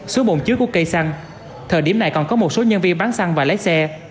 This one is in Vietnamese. số bồn chứa của cây xăng thời điểm này còn có một số nhân viên bán xăng và lái xe